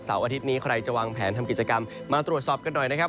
อาทิตย์นี้ใครจะวางแผนทำกิจกรรมมาตรวจสอบกันหน่อยนะครับ